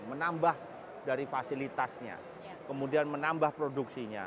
menambah dari fasilitasnya kemudian menambah produksinya